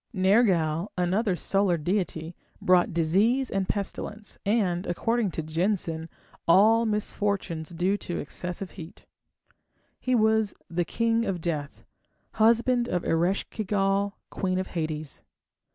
Nergal, another solar deity, brought disease and pestilence, and, according to Jensen, all misfortunes due to excessive heat. He was the king of death, husband of Eresh ki gal, queen of Hades.